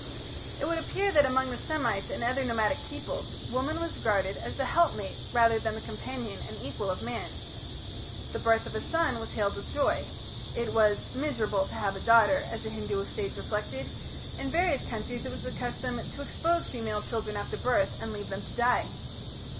It would appear that among the Semites and other nomadic peoples woman was regarded as the helpmate rather than the companion and equal of man. The birth of a son was hailed with joy; it was "miserable to have a daughter", as a Hindu sage reflected; in various countries it was the custom to expose female children after birth and leave them to die.